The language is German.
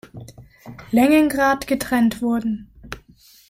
Längengrad getrennt wurden.